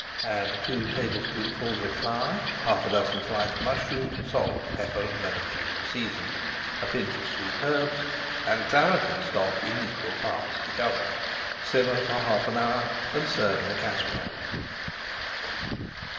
Add two tablespoonfuls of flour, half a dozen sliced mushrooms, salt, pepper, and lemon juice to season, a pinch of sweet herbs, and Claret and stock in equal parts to cover. Simmer for half an hour and serve in a casserole.